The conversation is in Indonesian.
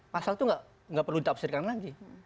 pasal itu nggak perlu ditafsirkan lagi